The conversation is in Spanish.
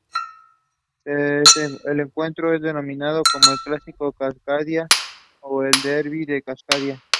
El encuentro es denominado como el Clásico de Cascadia o el Derby de Cascadia.